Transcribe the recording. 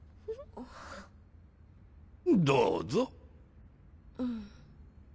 どうぞ。